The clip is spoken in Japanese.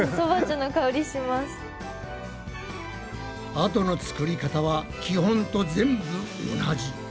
あとの作り方は基本と全部同じ。